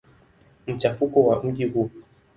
Machafuko ya mji huu.